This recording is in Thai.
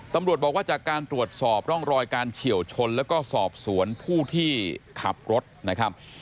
ตำรวจบอกว่าจากการตรวจสอบร่องรอยการเฉียวชนแล้วก็สอบสวนผู้ที่ขับรถนะครับ